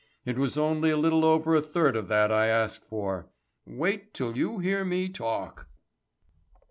It was only a little over a third of that I asked for. Wait till you hear me talk!"